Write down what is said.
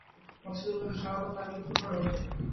মৎস্য বিভাগের সহায়তা পাওয়া গেলে উপকার হতো।